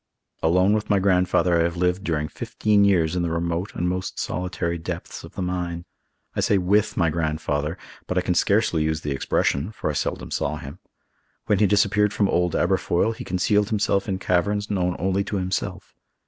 Alone with my grandfather I have lived during fifteen years in the remote and most solitary depths of the mine. I say with my grandfather, but I can scarcely use the expression, for I seldom saw him. When he disappeared from Old Aberfoyle, he concealed himself in caverns known only to himself.